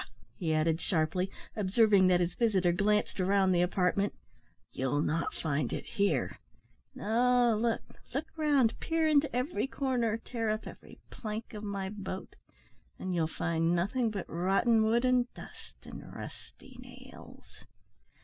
he added, sharply, observing that his visitor glanced round the apartment, "you'll not find it here. No, look, look round, peer into every corner, tear up every plank of my boat, and you'll find nothing but rotten wood, and dust, and rusty nails."